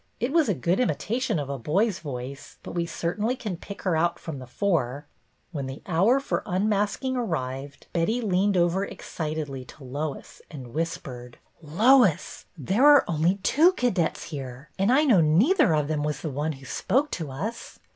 It was a good imitation of a boy's voice; but we certainly can pick her out from the four." When the hour for unmasking arrived Betty leaned over excitedly to Lois and whispered, — BETTY BAIRD 248 " Lois ! There are only two cadets here, and I know neither of them was the one who spoke to us.